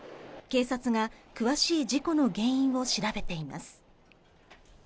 警察が詳しい事故の原因を調べています。